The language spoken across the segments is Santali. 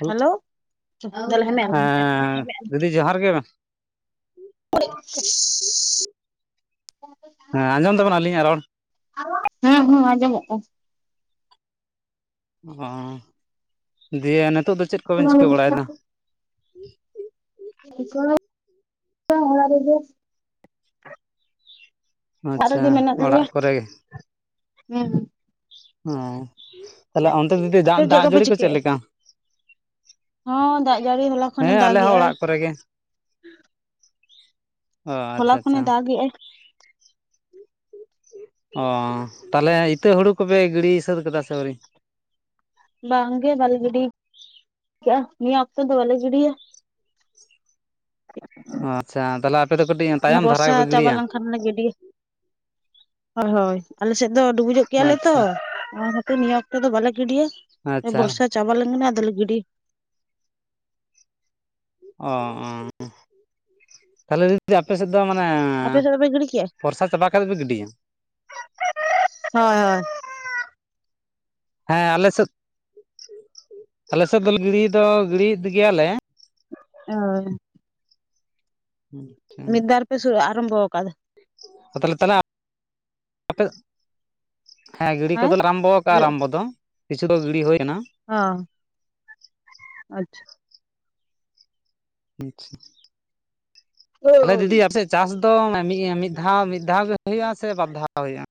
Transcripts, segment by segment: ᱦᱮᱸ ᱦᱮᱞᱳ ᱦᱮᱸ ᱢᱮᱢ ᱫᱤᱫᱤ ᱡᱚᱦᱟᱨ ᱜᱮ ᱻ ᱦᱮᱸ ᱟᱸᱡᱚᱢ ᱫᱟᱵᱤᱱ ᱟᱞᱤᱧᱟᱜ ᱨᱚᱲ ᱦᱮᱸ ᱦᱮᱸ ᱟᱸᱡᱚᱢᱚᱜᱼᱠᱟᱱᱟ ᱚ ᱫᱤᱭᱮ ᱱᱤᱛᱚᱜ ᱫᱚ ᱪᱮᱫ ᱠᱚᱵᱤᱱ ᱪᱤᱠᱟᱹ ᱵᱟᱲᱟᱭ ᱫᱟ [inaudible] ᱚᱲᱟᱜ ᱨᱮᱜᱮ ᱚᱲᱟᱜ ᱟᱪᱪᱷᱟ ᱨᱮᱜᱮ ᱢᱮᱱᱟᱜ ᱞᱮᱭᱟ ᱚᱲᱟᱜ ᱠᱚᱨᱮ ᱦᱮᱸ ᱦᱚ ᱛᱟᱦᱞᱮ ᱚᱱᱛᱮ ᱟᱯᱮ ᱫᱟᱜ ᱠᱚᱯᱮ ᱡᱟᱹᱲᱤ ᱠᱚ ᱪᱮᱫ ᱪᱤᱠᱟᱹᱭᱮᱜᱼᱟ ᱞᱮᱠᱟ ᱡᱟᱹᱰᱤ ᱦᱚᱞᱟ ᱠᱷᱚᱱᱮ ᱦᱮᱸ ᱟᱞᱮ ᱫᱟᱜᱮᱜ ᱦᱚᱸ ᱟᱭ ᱚᱲᱟᱜ ᱠᱚᱨᱮ ᱜᱮ ᱚ ᱦᱚᱞᱟ ᱟᱪᱪᱷᱟ ᱠᱷᱚᱱᱮ ᱟᱪᱪᱷᱟ ᱫᱟᱜᱮᱜᱼᱟᱭ ᱚ ᱛᱟᱦᱚᱞᱮ ᱤᱛᱟᱹ ᱦᱩᱲᱩ ᱠᱚᱯᱮ ᱜᱤᱲᱤ ᱥᱟᱹᱛ ᱠᱮᱫᱟ ᱥᱮ ᱟᱹᱣᱨᱤ ᱵᱟᱝ ᱜᱮ ᱵᱟᱞᱮ ᱜᱤᱰᱤ ᱠᱟᱜ ᱟ ᱱᱤᱭᱟᱹ ᱚᱠᱛᱚ ᱫᱚ ᱵᱟᱞᱮ ᱜᱤᱰᱤᱭᱟ ᱻ ᱚ ᱟᱪᱪᱷᱟ ᱛᱟᱦᱞᱮ ᱟᱯᱮ ᱫᱚ ᱠᱟᱹᱴᱤᱡ ᱛᱟᱭᱚᱢ ᱫᱷᱟᱨᱟ ᱵᱚᱨᱥᱟ ᱜᱮᱯᱮ ᱪᱟᱵᱟ ᱜᱤᱲᱤᱭᱟ ᱞᱮᱱᱠᱷᱟᱱ ᱞᱮ ᱜᱤᱰᱤᱭᱟ ᱦᱳᱭ ᱦᱳᱭ ᱟᱞᱮ ᱥᱮᱫ ᱫᱚ ᱰᱩᱵᱩᱡᱚᱜ ᱜᱮᱭᱟᱞᱮ ᱛᱚ ᱟᱪᱪᱷᱟ ᱚᱱᱟ ᱠᱷᱟᱛᱤᱨ ᱱᱤᱭᱟᱹ ᱚᱠᱛᱚ ᱫᱚ ᱵᱟᱞᱮ ᱜᱤᱰᱤᱭᱟ ᱟᱪᱪᱷᱟ ᱵᱚᱨᱥᱟ ᱪᱟᱵᱟ ᱞᱮᱱ ᱠᱟᱱ ᱜᱤᱰᱤ ᱚ ᱚ ᱛᱟᱦᱚᱞᱮ ᱫᱤᱫᱤ ᱟᱯᱮ ᱥᱮᱫ ᱫᱚ ᱢᱟᱱᱮ ᱟᱯᱮ ᱥᱮᱫ ᱫᱚᱯᱮ ᱜᱤᱰᱤ ᱠᱮᱜᱼᱟ ᱵᱚᱨᱥᱟ ᱪᱟᱵᱟ ᱠᱟᱛᱮ ᱯᱮ ᱜᱤᱰᱤᱭᱟ ᱦᱳᱭ ᱦᱳᱭ ᱦᱮᱸ ᱟᱞᱮ ᱥᱮᱫ ᱟᱞᱮ ᱥᱮᱫ ᱫᱚ ᱜᱤᱲᱤ ᱫᱚ ᱜᱤᱰᱤᱭᱮᱫ ᱜᱮᱭᱟᱞᱮ ᱚ ᱢᱤᱫ ᱵᱟᱨ ᱯᱮ ᱟᱨᱟᱢᱵᱷᱚ ᱟᱠᱟᱫᱟ ᱛᱟᱦᱚᱞᱮ [unintelligible] ᱟᱯᱮ ᱦᱮᱸ ᱜᱤᱲᱤ ᱠᱚᱫᱚ ᱞᱮ ᱟᱨᱟᱢᱵᱚ ᱠᱟᱜᱼᱟ ᱟᱨᱟᱢᱵᱚ ᱫᱚ ᱠᱤᱪᱷᱩ ᱫᱚ ᱜᱤᱲᱤ ᱦᱩᱭ ᱟᱠᱟᱱᱟ ᱚ ᱟᱪᱪᱷᱟ ᱟᱪᱪᱷᱟ ᱛᱟᱦᱚᱞᱮ ᱟᱪᱪᱷᱟ ᱫᱤᱫᱤ ᱟᱯᱥᱮᱫ ᱪᱟᱥ ᱢᱤᱫ ᱫᱷᱟᱣ ᱢᱤᱫ ᱫᱷᱟᱣ ᱜᱮ ᱦᱩᱭᱩᱜᱼᱟ ᱥᱮ ᱵᱟᱨ ᱫᱷᱟᱣ ᱦᱩᱭᱩᱜᱼᱟ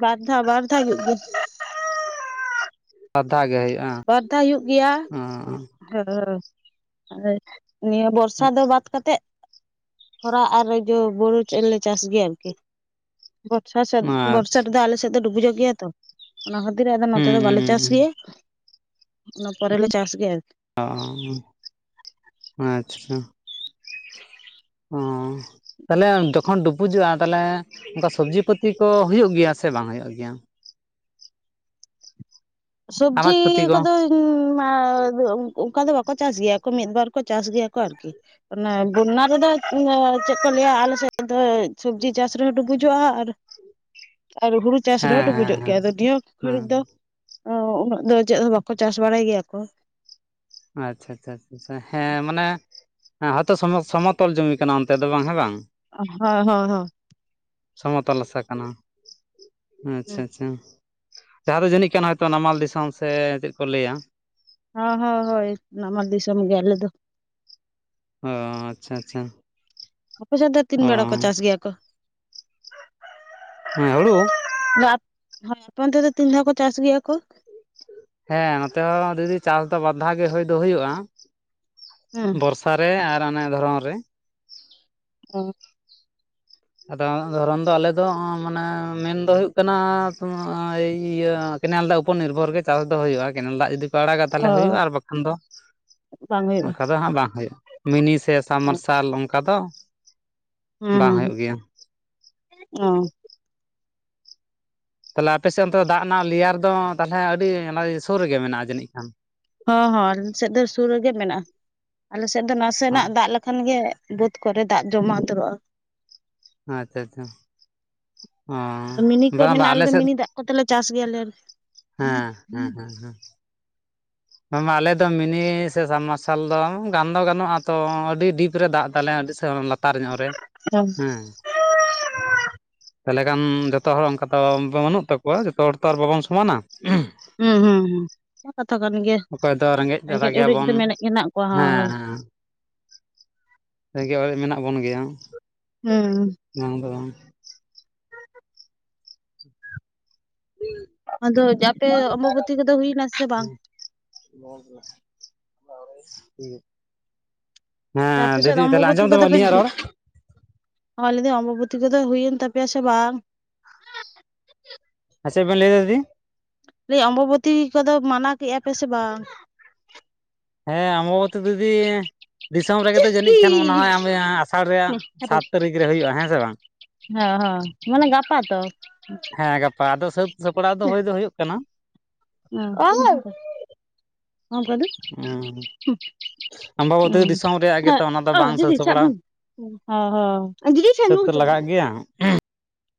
ᱵᱟᱨ ᱫᱷᱟᱣ ᱵᱟᱨ ᱫᱷᱟᱣ ᱦᱩᱭᱩᱜ ᱜᱮᱭᱟ ᱵᱟᱨᱫᱷᱟᱣ ᱜᱮ ᱦᱮᱸ ᱵᱟᱨ ᱫᱷᱟᱣ ᱦᱩᱭᱩᱜ ᱜᱮᱭᱟ ᱦᱮ ᱱᱤᱭᱟᱹ ᱵᱚᱨᱥᱟ ᱫᱚ ᱵᱟᱫ ᱠᱟᱛᱮᱜ ᱠᱷᱚᱨᱟ ᱟᱨ ᱡᱚ ᱵᱩᱨᱩ ᱴᱨᱮᱱ ᱜᱮᱭᱟ ᱪᱟᱥ ᱜᱮᱭᱟ ᱟᱨᱠᱤ ᱵᱚᱨᱥᱟ ᱥᱮᱫ ᱵᱚᱨᱥᱟ ᱨᱮᱫᱚ ᱟᱞᱮ ᱥᱮᱫ ᱫᱚ ᱰᱩᱵᱩᱡᱚᱜ ᱜᱮᱭᱟ ᱛᱚ ᱚᱱᱟ ᱠᱷᱟᱹᱛᱤᱨ ᱟᱫᱚ ᱱᱚᱛᱮ ᱫᱚ ᱦᱩᱸ ᱵᱟᱞᱮ ᱦᱩᱸ ᱪᱟᱥ ᱜᱮᱭᱟ ᱚᱱᱟ ᱯᱚᱨᱮᱞᱮ ᱪᱟᱥ ᱜᱮᱭᱟ ᱟᱨᱠᱤ ᱚ ᱟᱪᱪᱷᱟ ᱚ ᱛᱟᱦᱞᱮ ᱡᱚᱠᱷᱚᱱ ᱰᱩᱵᱩ ᱵᱩᱡᱩᱜᱼᱟ ᱛᱟᱦᱚᱞᱮ ᱚᱱᱠᱟ ᱥᱚᱵᱽᱡᱤ ᱯᱟᱹᱛᱤ ᱠᱚ ᱦᱩᱭᱩᱜ ᱜᱮᱭᱟ ᱥᱮ ᱵᱟᱝ ᱦᱩᱭᱩᱜ ᱜᱮᱭᱟ ᱥᱚᱵᱡᱤ ᱟᱱᱟᱡᱽ ᱯᱟᱹᱛᱤ ᱠᱚ ᱠᱚᱫᱚᱧ ᱤᱧᱢᱟ ᱚᱱᱠᱟ ᱫᱚ ᱵᱟᱠᱚ ᱪᱟᱥ ᱜᱮᱭᱟ ᱠᱚ ᱢᱤᱫᱵᱟᱨ ᱠᱚ ᱪᱟᱥ ᱜᱮᱭᱟ ᱠᱚ ᱟᱨᱠᱤ ᱵᱚᱱᱱᱟ ᱨᱮᱫᱚ ᱪᱮᱫ ᱜᱮᱭᱟᱟ ᱟᱞᱮ ᱥᱮᱫ ᱫᱚ ᱥᱚᱵᱡᱤ ᱪᱟᱥ ᱨᱮᱦᱚᱸ ᱰᱩᱵᱩᱡᱩᱜᱼᱟ ᱟᱨ ᱻ ᱟᱨ ᱦᱩᱲᱩ ᱪᱟᱥ ᱨᱮᱦᱚᱸ ᱰᱩᱵᱩᱡᱚᱜ ᱜᱮᱭᱟ ᱟᱫᱚ ᱱᱤᱭᱟᱹ ᱦᱮᱸ ᱜᱷᱟᱹᱲᱤᱡ ᱫᱚ ᱚ ᱩᱱᱟᱹᱜ ᱫᱚ ᱪᱮᱫ ᱦᱚᱸ ᱵᱟᱠᱚ ᱪᱟᱥ ᱵᱟᱲᱟᱭ ᱜᱮᱭᱟ ᱠᱚ ᱟᱪᱪᱷᱟ ᱟᱪᱪᱷᱟ ᱟ ᱦᱮᱸ ᱢᱟᱱᱮ ᱦᱮᱸ ᱦᱚᱸ ᱛᱚ ᱥᱚᱢᱚᱛᱚᱞ ᱡᱚᱢᱢᱤ ᱠᱟᱱᱟ ᱚᱱᱟᱛᱮ ᱫᱚ ᱵᱟᱝ ᱦᱮᱸ ᱵᱟᱝ ᱦᱚᱸ ᱦᱚᱸ ᱦᱚᱸ ᱥᱚᱢᱚᱛᱚᱞ ᱟᱥᱟ ᱠᱟᱱᱟ ᱟᱪᱪᱷᱟ ᱟᱪᱪᱷᱟ ᱡᱟᱦᱟᱸ ᱫᱚ ᱡᱟᱹᱱᱤᱡ ᱠᱟᱱ ᱦᱚᱭᱛᱳ ᱱᱟᱢᱟᱞ ᱫᱤᱥᱚᱢ ᱥᱮ ᱪᱮᱫ ᱠᱚ ᱞᱮᱭᱟ ᱦᱚ ᱦᱚ ᱦᱳᱭ ᱱᱟᱢᱟᱞ ᱫᱤᱥᱚᱢ ᱜᱮ ᱟᱞᱮ ᱫᱚ ᱚ ᱟᱪᱪᱷᱟ ᱟᱪᱪᱷᱟ ᱟᱯᱮ ᱥ ᱫᱚ ᱛᱤᱱ ᱚ ᱵᱮᱲᱟ ᱠᱚ ᱪᱟᱥ ᱜᱮᱭᱟ ᱠᱚ ᱦᱮᱸ ᱦᱲᱩ ᱦᱮ ᱟᱯᱚᱱ ᱛᱮᱫᱚ ᱛᱤᱱ ᱫᱷᱟᱣ ᱠᱚ ᱪᱟᱥ ᱜᱮᱭᱟ ᱠᱚ ᱦᱮᱸ ᱱᱚᱛᱮ ᱦᱚᱸ ᱫᱤ ᱫᱤ ᱪᱟᱥ ᱫᱚ ᱵᱟᱟᱨᱫᱷᱟᱣ ᱜᱮ ᱦᱩᱭ ᱫᱚ ᱦᱩᱭᱩᱜᱼᱟ ᱦᱩᱸ ᱵᱚᱨᱥᱟ ᱨᱮ ᱟᱨ ᱚᱱᱮ ᱫᱷᱚᱨᱚᱱ ᱨᱮ ᱚ ᱟᱫᱚ ᱫᱷᱚᱨᱚᱱ ᱫᱚ ᱟᱞᱮ ᱫᱚ ᱢᱟᱱᱮ ᱢᱮᱱᱫᱚ ᱦᱩᱭᱩᱜ ᱠᱟᱱᱟᱭ ᱤᱭᱟᱹ ᱠᱮᱱᱮᱞ ᱫᱟᱜ ᱩᱯᱚᱨ ᱱᱤᱨᱵᱷᱚᱨ ᱜᱮ ᱪᱟᱥ ᱫᱚ ᱦᱩᱭᱩᱜᱼᱟ ᱠᱮᱱᱮᱞ ᱫᱟᱜ ᱡᱩᱫᱤ ᱠ ᱟᱲᱟᱜᱟ ᱛᱟᱦᱚᱞᱮ ᱦᱩᱭᱩᱜᱼᱟ ᱟᱨ ᱵᱟᱠᱷᱟᱱ ᱫᱚ ᱵᱟᱝ ᱦᱩᱭᱩᱜᱼᱟ ᱚᱱᱠᱟ ᱫᱚ ᱦᱟᱸᱜ ᱵᱟᱝ ᱦᱩᱭᱩᱜᱼᱟ ᱢᱤᱱᱤ ᱥᱮ ᱥᱟᱵ ᱢᱟᱨᱥᱟᱞ ᱚᱱᱠᱟ ᱫᱚ ᱦᱩᱸᱸ [unintelligible] ᱚᱸ ᱛᱟᱦᱚᱞᱮ ᱟᱯᱮ ᱥᱮᱫ ᱚᱱᱛᱮ ᱫᱟᱜ ᱨᱮᱱᱟᱜ ᱞᱮᱭᱟᱨ ᱫᱚ ᱛᱟᱦᱚᱞᱮ ᱟᱹᱰᱤ ᱥᱩᱨ ᱨᱮᱜᱮ ᱢᱮᱱᱟᱜᱼᱟ ᱡᱟᱹᱱᱤᱡ ᱠᱷᱟᱱ ᱦᱚᱸ ᱦᱚᱸ ᱟᱞᱮ ᱥᱮᱫ ᱫᱚ ᱥᱩᱨ ᱨᱮᱜᱮ ᱢᱮᱱᱟᱜᱼᱟ ᱟᱞᱮ ᱥᱮᱫ ᱫᱚ ᱚ ᱱᱟᱥᱮᱱᱟᱜ ᱫᱟᱜ ᱞᱮᱠᱷᱟᱱ ᱜᱮ ᱵᱟᱹᱫᱽ ᱠᱚᱨᱮ ᱫᱟᱜ ᱡᱚᱢᱟ ᱩᱛᱟᱹᱨᱚᱜᱼᱟ ᱟᱪᱪᱷᱟ ᱟᱪᱪᱷᱟ ᱢᱤᱱᱤ ᱚ ᱠᱚ ᱵᱟᱝ ᱵᱟ ᱢᱮᱱᱟᱜᱼᱟ ᱟᱞᱮ ᱫᱚ ᱥᱮᱫ ᱢᱤᱱᱤ ᱫᱟᱜ ᱠᱚᱛᱮᱞᱮ ᱪᱟᱥ ᱜᱮᱭᱟᱞᱮ ᱦᱮᱸ ᱦᱮᱸ ᱦᱮᱸ ᱦᱮᱸ ᱢᱟ ᱟᱞᱮ ᱫᱚ ᱢᱤᱱᱤ ᱥᱮ ᱥᱟᱵᱢᱟᱨᱥᱟᱞ ᱫᱚ ᱜᱟᱱ ᱫᱚ ᱜᱟᱱᱚᱜᱼᱟ ᱛᱚ ᱟᱹᱰᱤ ᱰᱤᱯ ᱨᱮ ᱫᱟᱜ ᱛᱟᱞᱮ ᱞᱟᱛᱟᱨ ᱧᱚᱜ ᱨᱮ ᱦᱩᱸ ᱦᱮᱸ ᱛᱟᱦᱚᱞᱮ ᱠᱷᱟᱱ ᱡᱚᱛᱚ ᱦᱚᱲ ᱚᱱᱠᱟ ᱫᱚ ᱵᱟᱹᱱᱩᱜ ᱛᱟᱠᱚᱣᱟ ᱡᱚᱛᱚ ᱦᱚᱲ ᱛᱚ ᱟᱨ ᱵᱟᱵᱚᱱ ᱥᱚᱢᱟᱱᱟ ᱦᱩᱸ ᱦᱩᱸ ᱦᱩᱸ ᱡᱚᱛᱚ ᱠᱟᱱ ᱜᱮ ᱚᱠᱚᱭ ᱫᱚ ᱡᱟᱞᱟ ᱨᱮᱸᱜᱮᱡ ᱚᱨᱮᱡ ᱜᱮᱭᱟᱵᱚᱱ ᱫᱚ ᱢᱮᱱᱮᱜ ᱢᱮᱱᱟᱜ ᱠᱚᱣᱟ ᱦᱟ ᱦᱮᱸ ᱨᱮᱸᱜᱮ ᱚᱲᱮᱡ ᱢᱮᱱᱟᱜ ᱵᱚᱱ ᱜᱮᱭᱟ ᱦᱩᱸ ᱱᱫᱚ ᱟᱫᱚ ᱡᱟᱛᱮ ᱚᱢᱵᱚᱵᱛᱤ ᱠᱚᱫᱚ ᱦᱩᱭᱱᱟ ᱥᱮ ᱵᱟᱝ ᱴᱷ [unintelligible] ᱟᱯᱮ ᱥᱮᱫ ᱚᱢᱵᱚᱵᱚᱛᱤ ᱠᱚᱫᱚ ᱯᱮ ᱨᱚᱲ ᱦᱚ ᱞᱤᱫᱤ ᱚᱢᱵᱚᱵᱚᱛᱤ ᱠᱚᱫᱚ ᱦᱩᱭᱮᱱ ᱛᱟᱯᱮ ᱥᱮ ᱵᱟᱝ ᱦ ᱪᱸᱮᱫ ᱵᱮᱱ ᱞᱟᱹᱭᱫᱟ ᱫᱤ ᱞᱟᱹᱭ ᱚᱢᱵᱚᱵᱚᱛᱤ ᱠᱚᱫᱚ ᱢᱟᱱᱟᱣ ᱠᱮᱜᱼᱟ ᱯᱮ ᱥᱮ ᱵᱟᱝ ᱦᱮᱸ ᱟᱢ ᱟᱵᱚᱵ ᱛᱤ ᱫᱤᱫᱤ ᱫᱤᱥᱚᱢ ᱨᱮᱜᱮ ᱛᱚ ᱡᱟᱹᱱᱤᱡ ᱠᱷᱟᱱ ᱚᱱᱟ ᱦᱮᱸ ᱦᱚᱸ ᱟᱥᱟᱲ ᱨᱮᱭᱟᱜ ᱥᱟᱛ ᱛᱟᱹᱨᱤᱠᱷ ᱨᱮ ᱦᱩᱭᱩᱜᱼᱟ ᱦᱮᱸ ᱥᱮ ᱵᱟᱝ ᱦᱮᱸ ᱢᱟᱱᱮ ᱜᱟᱯᱟ ᱛᱚ ᱦᱮᱸ ᱜᱟᱯᱟ ᱟᱫᱚ ᱥᱟᱹᱛ ᱥᱟᱯᱲᱟᱣ ᱫᱚ ᱦᱳᱭ ᱫᱚ ᱦᱩᱭᱩᱜ ᱠᱟᱱᱟ ᱳᱤ ᱱᱚᱭ ᱜᱟᱹᱰᱤ [unintelligible] ᱦᱩᱸ ᱦ ᱟᱢᱵᱟᱵᱚᱛᱤ ᱫᱤᱥᱚᱢ ᱨᱮᱭᱟᱜ ᱦᱮᱸ ᱜᱮᱛᱚ ᱚᱱᱟ ᱫᱚ ᱚ ᱵᱟᱝ ᱥᱟᱹᱛ ᱫᱤᱫᱤ ᱥᱟᱯᱲᱟᱣ ᱪᱟᱵᱤᱱ ᱦᱚ ᱦᱚ ᱫᱤᱫᱤ ᱴᱷᱮᱱ ᱱᱩ ᱥᱟᱹᱛ ᱦᱪᱠᱚᱢ ᱦᱮᱸ ᱞᱟᱜᱟᱜ ᱜᱮᱭᱟ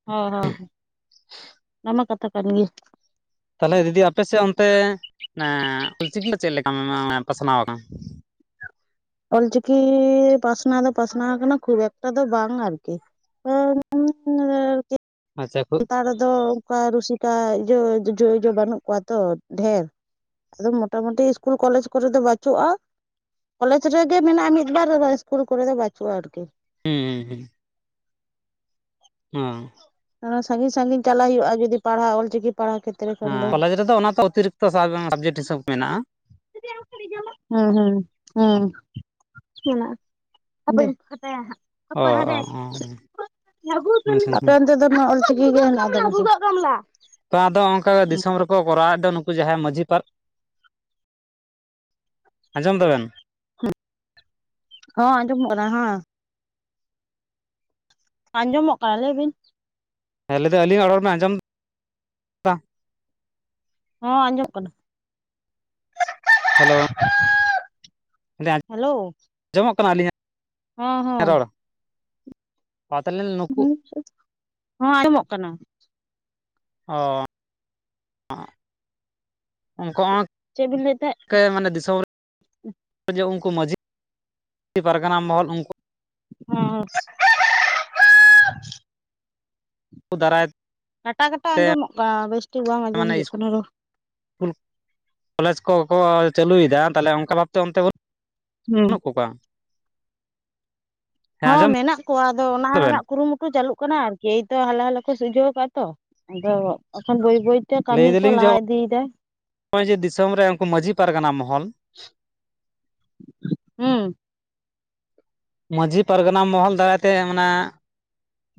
ᱦᱚᱸ ᱦᱚᱸ ᱚᱱᱟᱢᱟ ᱠᱟᱛᱷᱟ ᱠᱟᱱ ᱜᱮᱭᱟ ᱛᱟᱦᱚᱞᱮ ᱫᱤᱫᱤ ᱞᱪᱤᱠᱤ ᱪᱮᱫ ᱞᱮᱠᱟ ᱯᱟᱥᱱᱟᱣᱟ ᱟᱲ ᱚᱞᱪᱤᱠᱤ ᱯᱟᱥᱱᱟᱣ ᱫᱚ ᱯᱟᱥᱱᱟᱣ ᱟᱠᱟᱱᱟ ᱠᱷᱩᱵ ᱮᱠᱴᱟ ᱫᱚ ᱵᱟᱝ ᱟᱨᱠᱤ ᱟ ᱟᱪᱪᱷᱟ ᱠᱷᱩᱵ ᱮᱛᱟᱲ ᱨᱮᱫᱚ ᱚᱱᱠᱟ ᱨᱩᱥᱤᱠᱟ ᱡᱚ ᱡᱚᱡᱩ ᱵᱟᱹᱱᱩᱜ ᱠᱚᱣᱟ ᱛᱚ ᱰᱷᱮᱨ ᱟᱫᱚ ᱢᱳᱚᱴᱟᱢᱩᱴᱤ ᱤᱥᱠᱩᱞ ᱠᱚᱞᱮᱡᱽ ᱠᱚᱨᱮ ᱫᱚ ᱵᱟᱹᱪᱩᱜᱼᱟ ᱠᱚᱞᱮᱡᱽ ᱨᱮᱜᱮ ᱢᱮᱱᱟᱜᱼᱟ ᱢᱤᱫ ᱵᱟᱨ ᱤᱥᱠᱩᱞ ᱠᱚᱨᱮ ᱫᱚ ᱵᱟᱹᱪᱩᱜᱼᱟ ᱟᱨᱠᱤ ᱩᱸ ᱦᱩᱸ ᱦᱮᱸ ᱛᱷᱚᱲᱟ ᱥᱟᱺᱜᱤᱧ ᱥᱟᱺᱜᱤᱧ ᱪᱟᱞᱟᱣ ᱦᱩᱭᱩᱜᱼᱟ ᱡᱩᱫᱤ ᱯᱟᱲᱦᱟᱣ ᱚᱞ ᱪᱤᱠᱤ ᱦᱮᱸ ᱠᱚᱞᱮᱡᱽ ᱨᱮᱫᱚ ᱚᱱᱟ ᱚᱛᱤᱨᱤᱠᱛᱚ ᱥᱟᱵᱡᱮᱠᱴ ᱦᱤᱥᱟᱹᱵ ᱢᱮᱱᱟᱜᱼᱟ ᱦᱮᱸ ᱦᱮᱸ ᱦᱮᱸ [unintelligible] ᱚ ᱚ ᱟᱯᱮ [unintelligible] ᱚ ᱟᱫᱚ ᱱᱚᱣᱟ [unintelligible] ᱚᱞ ᱪᱤᱠᱤ ᱜᱮ ᱛᱚ ᱟᱫᱚ ᱚᱱᱠᱟ ᱫᱤᱥᱚᱢ ᱨᱮᱠᱚ ᱠᱚᱨᱟᱣ ᱮᱫ ᱱᱩᱠᱩ ᱡᱟᱦᱟᱸᱭ ᱢᱟᱺᱡᱷᱤ ᱯᱟᱨᱜ ᱟᱸᱡᱚᱢ ᱫᱟᱵᱮᱱ ᱦᱚᱸ ᱟᱸᱡᱚᱢᱚᱜ ᱠᱟᱱᱟ ᱦᱮᱸ ᱟᱸᱡᱚᱢᱚᱜ ᱠᱟᱱᱟ ᱞᱟᱹᱭ ᱵᱤᱱ ᱦᱮᱸ ᱞᱟᱹᱭᱫᱟ ᱟᱹᱞᱤᱧᱟᱜ ᱨᱚᱲ ᱵᱮᱱ ᱟᱸᱡᱚᱢᱫᱟ ᱦᱚᱸ ᱟᱸᱡᱚᱢᱚᱜ ᱠᱟᱱᱟ ᱦᱮᱞᱳ ᱦᱮᱞᱳ ᱟᱡᱚᱢᱚᱜ ᱠᱟᱱᱟ ᱟᱹᱞᱤᱧᱟᱜ ᱦᱚᱸ ᱦᱚᱸ ᱨᱚᱲ ᱛᱟᱦᱚᱞᱮ ᱱᱩᱠᱩ ᱦᱚᱸ ᱟᱸᱡᱚᱢᱚᱜ ᱠᱟᱱᱟ ᱚ ᱩᱱᱠᱩ ᱦᱚᱸ ᱪᱮᱫ ᱵᱤᱱ ᱞᱟᱹᱭᱮᱫ ᱢᱟᱱᱮ ᱫᱤᱥᱚᱢ ᱩᱱᱠᱩ [inaudible] ᱢᱟᱺᱡᱷᱤ ᱯᱟᱨᱜᱟᱱᱟ ᱢᱚᱦᱚᱞ ᱩᱱᱠᱩ ᱦᱩᱸ ᱫᱟᱨᱟᱭ ᱠᱟᱴᱟ ᱠᱟᱴᱟ ᱛᱮ ᱟᱸᱡᱚᱢᱚᱜ ᱠᱟᱱᱟ ᱵᱮᱥ ᱴᱷᱤᱠ ᱵᱟᱝ ᱟᱸᱡᱚᱢ ᱢᱟᱱᱮ ᱦᱩᱭᱩᱜ ᱠᱟᱱᱟ ᱨᱚᱲ ᱤᱥᱠᱩᱞ ᱠᱚᱞᱮᱡᱽ ᱠᱚᱠᱚ ᱪᱟᱹᱞᱩᱭᱮᱫᱟ ᱛᱟᱞᱦᱮ ᱚᱱᱠᱟ ᱵᱷᱟᱵᱛᱮ ᱚᱱᱛᱮ ᱦᱩᱸ ᱵᱟᱹᱱᱩᱜ ᱠᱚᱣᱟ ᱦᱮᱸ ᱦᱚᱸ ᱟᱸᱡᱚᱢ ᱢᱮᱱᱟᱜ ᱠᱚᱣᱟ ᱟᱫᱚ ᱚᱱᱟ ᱫᱟᱵᱮᱱ ᱨᱮᱱᱟᱜ ᱠᱩᱨᱩᱢᱩᱴᱩ ᱪᱟᱹᱞᱩᱜ ᱠᱟᱱᱟ ᱟᱨᱠᱤ ᱮᱭᱛᱚ ᱦᱟᱞᱮ ᱦᱟᱞᱮ ᱠᱚ ᱥᱩᱡᱷᱟᱹᱣ ᱠᱟᱜᱼᱟ ᱛᱚ ᱟᱫᱚ ᱮᱠᱷᱚᱱ ᱵᱟᱹᱭ ᱛᱮ ᱠᱟᱹᱢᱤ ᱞᱟᱹᱭ ᱠᱚ ᱫᱟᱞᱤᱧ ᱡᱮ ᱞᱟᱦᱟ ᱤᱫᱤᱭᱮᱫᱟ ᱱᱚᱜᱼᱚᱭ ᱡᱮ ᱫᱤᱥᱚᱢ ᱨᱮ ᱩᱱᱠᱩ ᱢᱟᱺᱡᱷᱤ ᱯᱟᱨᱜᱟᱱᱟ ᱢᱚᱦᱚᱞ ᱦᱮᱸ ᱢᱟᱺᱡᱷᱤ ᱯᱟᱨᱜᱟᱱᱟ ᱢᱚᱦᱚᱞ ᱫᱟᱨᱟᱭᱛᱮ ᱚᱱᱟ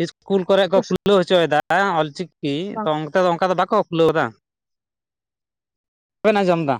ᱤᱥᱠᱩᱞ ᱠᱚᱨᱮ ᱠᱚ ᱵᱟᱝ ᱠᱷᱩᱞᱟᱹᱣ ᱦᱚᱪᱚᱭᱮᱫᱟ ᱦᱮᱸ ᱚᱞᱪᱤᱠᱤ ᱛᱚ ᱚᱱᱛᱮ ᱫᱚ ᱚᱱᱠᱟ ᱫᱚ ᱵᱟ ᱠᱚ ᱠᱷᱩᱞᱟᱹᱣ ᱮᱫᱟ ᱵᱟᱝᱵᱮᱱ ᱟᱸᱡᱚᱢ ᱮᱫᱟ